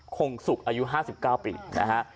คงสุกอายุ๕๙ปีนะฮะ